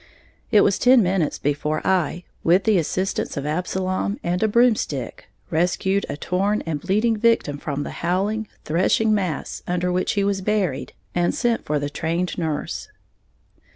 It was ten minutes before I, with the assistance of Absalom and a broomstick, rescued a torn and bleeding victim from the howling, threshing mass under which he was buried, and sent for the trained nurse.